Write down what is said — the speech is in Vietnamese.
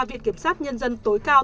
viện kiểm sát nhân dân tối cao